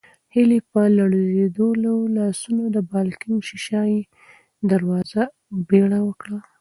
هیلې په لړزېدلو لاسونو د بالکن شیشه یي دروازه بېره کړه.